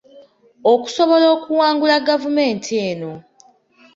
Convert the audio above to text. Okusobola okuwangula gavumenti eno.